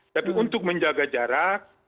tapi untuk menjaga jarak